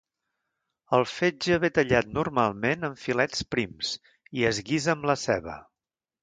El fetge ve tallat normalment en filets prims i es guisa amb la ceba.